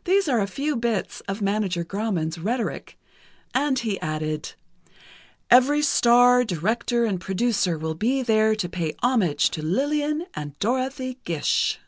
_" These are a few bits of Manager Grauman's rhetoric, and he added: "Every star, director and producer, will be there to pay homage to Lillian and Dorothy Gish."